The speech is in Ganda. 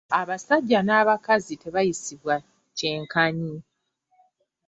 Abasajja n'abakazi tebayisibwa kyenkanyi.